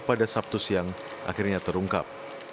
pada sabtu siang akhirnya terungkap